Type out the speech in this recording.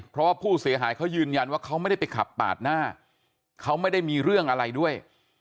เพราะว่าผู้เสียหายเขายืนยันว่าเขาไม่ได้ไปขับปาดหน้าเขาไม่ได้มีเรื่องอะไรด้วย